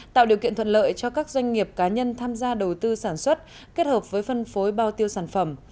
tạo điều kiện thuận lợi cho các doanh nghiệp cá nhân tham gia đầu tư sản xuất kết hợp với phân phối bao tiêu sản phẩm